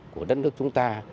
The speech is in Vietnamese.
của đất nước chúng ta